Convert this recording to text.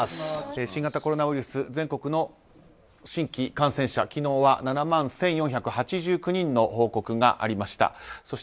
新型コロナウイルス全国の新規感染者昨日は７万１４８９人の報告がありました。